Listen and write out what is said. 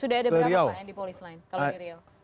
sudah ada berapa pak yang di polis lain kalau di riau